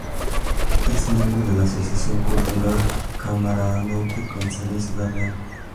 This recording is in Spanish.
Es miembro de la Asociación Cultural Camarote con sede en Ciudad Real.